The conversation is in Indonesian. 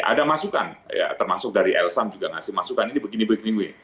ada masukan ya termasuk dari elsam juga ngasih masukan ini begini begini